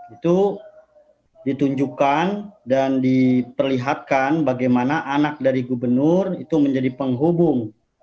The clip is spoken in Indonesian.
itu ditunjukkan dan diperlihatkan bagaimana anak dari gubernur itu menjadi penghubung